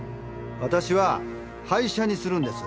私は廃車にするんです。